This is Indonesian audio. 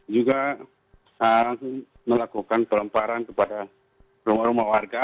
juga melakukan pelemparan kepada rumah rumah warga